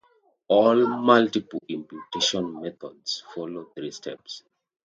All multiple imputation methods follow three steps.